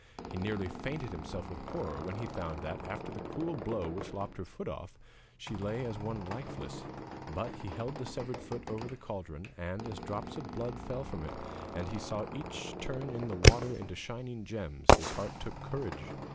He nearly fainted himself with horror when he found that, after the cruel blow which lopped her foot off, she lay as one lifeless; but he held the severed foot over the cauldron, and, as drops of blood fell from it, and he saw each turn in the water into shining gems, his heart took courage.